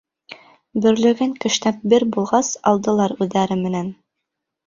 Бөрлөгән кешнәп бер булғас, алдылар үҙҙәре менән.